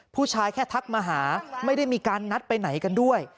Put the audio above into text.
ผู้ชายแค่ทักมาหาไม่ได้มีการนัดไปไหนกันด้วย